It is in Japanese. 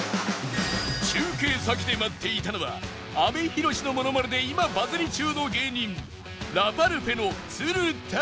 中継先で待っていたのは阿部寛のモノマネで今バズり中の芸人ラパルフェの都留拓也